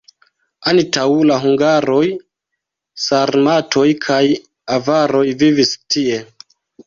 Antaŭ la hungaroj sarmatoj kaj avaroj vivis tie.